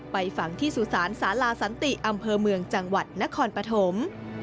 ไปฝังที่สุสานสาลาสันติอำเภอเมืองจังหวัดนครปฐม